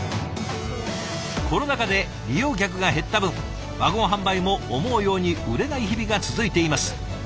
コロナ禍で利用客が減った分ワゴン販売も思うように売れない日々が続いています。